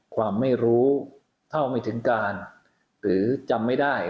ความไม่รู้เท่าไม่ถึงการหรือจำไม่ได้